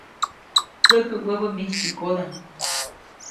Tsäkä wäbä mijtsykoda.